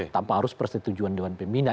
tanpa harus persetujuan dewan pembina